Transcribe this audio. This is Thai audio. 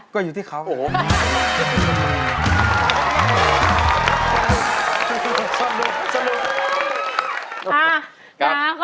ก็อยู่ที่เขาโอ้โฮ